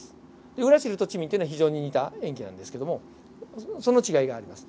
ウラシルとチミンは非常に似た塩基なんですけれどもその違いがあります。